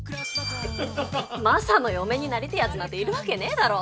マサの嫁になりてえやつなんているわけねえだろ。